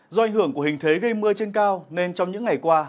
do ảnh hưởng của hình thế gây mưa trên cao nên trong những ngày qua